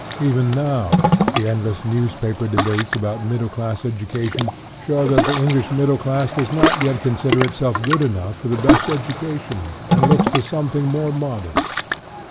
1 Even now the endless newspaper debates about middle class education show that the English middle class does not yet consider itself good enough for the best educa tion, and looks to something more modest.